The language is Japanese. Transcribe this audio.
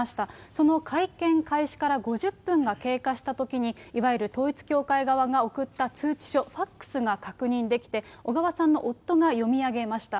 その会見開始から５０分が経過したときに、いわゆる統一教会側が送った通知書、ファックスが確認できて、小川さんの夫が読み上げました。